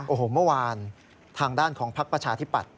โอ้โหเมื่อวานทางด้านของพักประชาธิปัตย